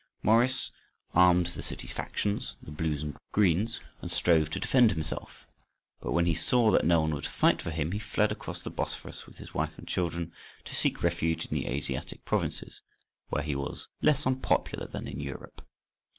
Maurice armed the city factions, the "Blues" and "Greens," and strove to defend himself. But when he saw that no one would fight for him, he fled across the Bosphorus with his wife and children, to seek refuge in the Asiatic provinces, where he was less unpopular than in Europe.